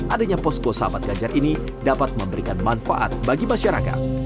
adanya posko sahabat ganjar ini dapat memberikan manfaat bagi masyarakat